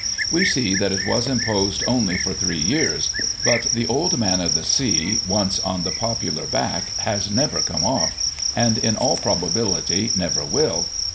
We see that it was imposed only for three years, but the Old Man of the Sea, once on the popular back, has never come off; and, in all probability, never will.